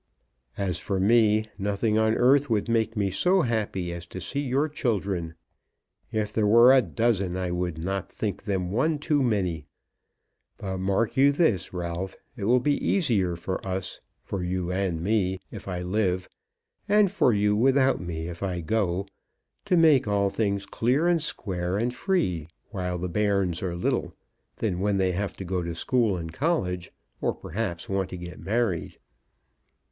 As for me, nothing on earth would make me so happy as to see your children. If there were a dozen, I would not think them one too many. But mark you this, Ralph; it will be easier for us, for you and me, if I live, and for you without me if I go, to make all things clear and square and free while the bairns are little, than when they have to go to school and college, or perhaps want to get married."